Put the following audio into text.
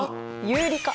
有理化！